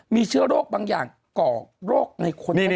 มีเชื้อโรคบางอย่างก่อโรคในคน